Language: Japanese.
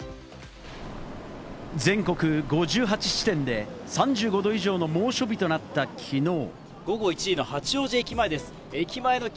全国５８地点で３５度以上の猛暑日となったきのう。